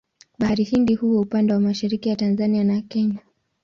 Bahari Hindi huwa upande mwa mashariki ya Tanzania na Kenya.